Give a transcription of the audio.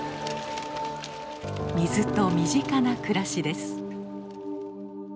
水と身近な暮らしです。